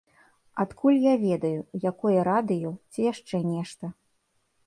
Адкуль я ведаю, якое радыё ці яшчэ нешта?